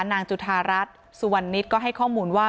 จุธารัฐสุวรรณิตก็ให้ข้อมูลว่า